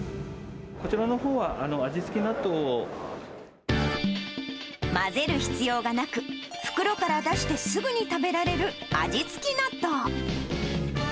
こちらのほうは、混ぜる必要がなく、袋から出してすぐに食べられる味付き納豆。